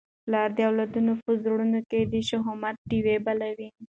پلار د خپلو اولادونو په زړونو کي د شهامت ډېوه بلوي.